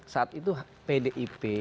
saat itu pdip